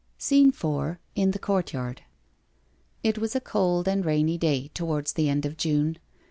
SCENE IV IN THE COURTYARD It was a cold rainy day towards the end of June.